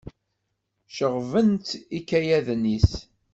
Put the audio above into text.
Ceɣɣben-tt ikayaden-is.